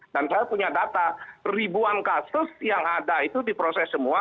dan saya punya data ribuan kasus yang ada itu diproses semua